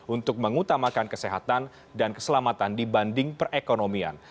untuk mengutamakan kesehatan dan keselamatan dibanding perekonomian